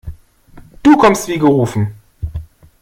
Du kommst wie gerufen.